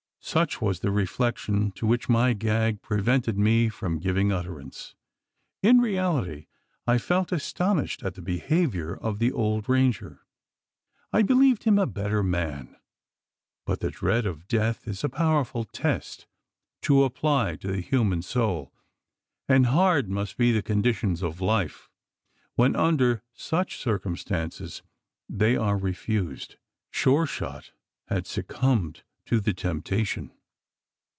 Such was the reflection, to which my gag prevented me from giving utterance. In reality, I felt astonished at the behaviour of the old ranger. I believed him a better man; but the dread of death is a powerful test to apply to the human soul; and hard must be the conditions of life when, under such circumstances, they are refused. Sure shot had succumbed to the temptation.